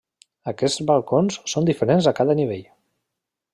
Aquests balcons són diferents a cada nivell.